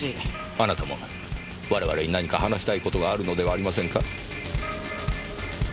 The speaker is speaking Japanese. あなたも我々に何か話したい事があるのではありませんか？